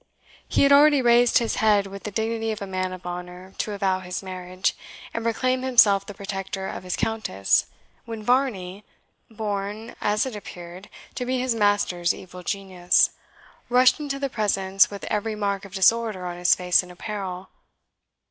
He had already raised his head with the dignity of a man of honour to avow his marriage, and proclaim himself the protector of his Countess, when Varney, born, as it appeared, to be his master's evil genius, rushed into the presence with every mark of disorder on his face and apparel.